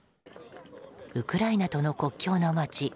ウクライナとの国境の街